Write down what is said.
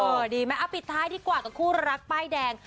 ดีไหมเอาปิดท้ายดีกว่ากับคู่รักป้ายแดง